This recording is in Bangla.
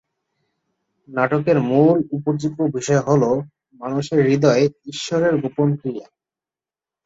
নাটকের মূল উপজীব্য বিষয় হল মানুষের হৃদয়ে ঈশ্বরের গোপন ক্রিয়া।